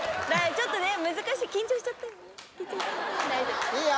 ちょっとね難しい緊張しちゃったよねいいよ